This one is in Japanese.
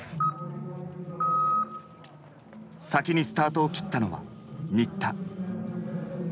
先にスタートを切ったのは新田。